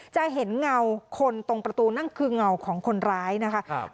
จะเห็นเงาคนตรงประตูนั่นคือเงาของคนร้ายนะคะ